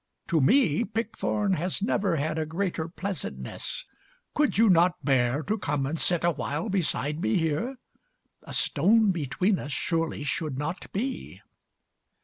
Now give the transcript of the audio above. To me, Pickthorn has never had A greater pleasantness. Could you not bear To come and sit awhile beside me here? A stone between us surely should not be."